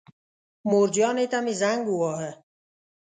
مورجانې ته مې زنګ وواهه.